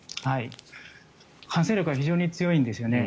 感染力が非常に強いんですよね。